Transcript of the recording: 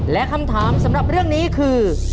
และคำถามสำหรับเรื่องนี้คือ